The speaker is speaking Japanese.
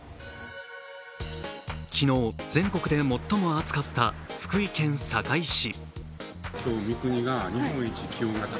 昨日、全国で最も暑かった福井県坂井市。